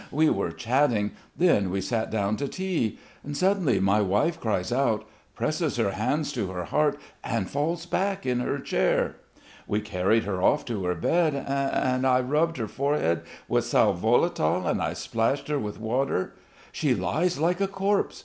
We were chatting.... Then we sat down to tea. Suddenly my wife cries out, presses her hands to her heart, and falls back in her chair. We carried her off to her bed and ... and I rubbed her forehead with sal volatile, and splashed her with water.... She lies like a corpse....